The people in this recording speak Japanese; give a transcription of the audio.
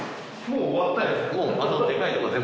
もう終わったよね？